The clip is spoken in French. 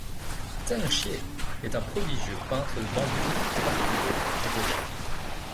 Zheng Xie est un prodigieux peintre de bambous, orchidées et rochers.